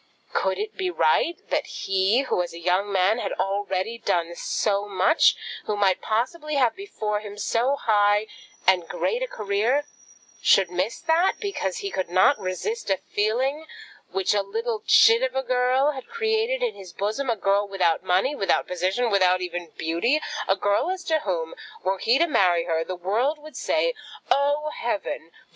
Could it be right that he who, as a young man, had already done so much, who might possibly have before him so high and great a career, should miss that, because he could not resist a feeling which a little chit of a girl had created in his bosom, a girl without money, without position, without even beauty; a girl as to whom, were he to marry her, the world would say, "Oh, heaven!